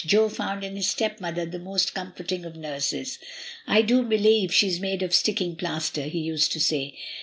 Jo found in his stepmother the most comforting of nurses. "I do believe she's made of sticking plaster," he used to say.